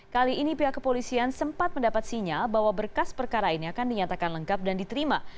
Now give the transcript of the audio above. kali ini pihak kepolisian sempat mendapat sinyal bahwa berkas perkara ini akan dinyatakan lengkap dan diterima